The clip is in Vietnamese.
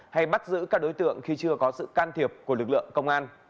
hay bắt giữ các đối tượng khi chưa có sự can thiệp của lực lượng công an